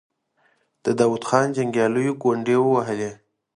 د داود خان جنګياليو ګونډې ووهلې.